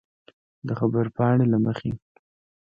د خبرپاڼې له مخې